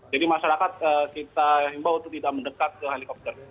jadi masyarakat kita himbaw untuk tidak mendekat ke helikopter